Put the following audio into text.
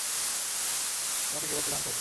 তোমাকে কেবল তুলে আনতে হত।